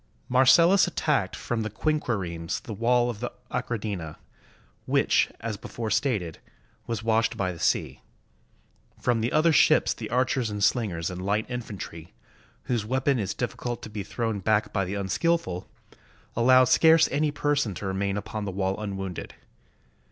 Marcellus attacked from the quinquiremes the wall of the Achradina, which, as before stated, was washed by the sea. From the other ships the archers and slingers and light infantry, whose weapon is difficult to be thrown back by the unskillful, allowed scarce any person to remain upon the wall unwounded.